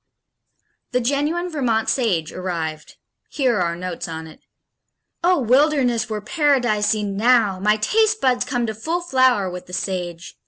The genuine Vermont Sage arrived. Here are our notes on it: Oh, wilderness were Paradise enow! My taste buds come to full flower with the Sage.